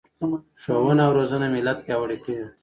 ښوونه او روزنه ملت پیاوړی کوي.